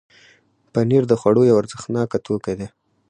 پنېر د خوړو یو ارزښتناک توکی دی.